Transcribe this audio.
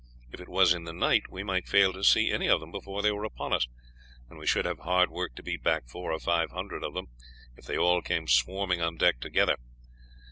If it was in the night, we might fail to see any of them before they were upon us, and we should have hard work to beat back four or five hundred of them if they all came swarming on deck together.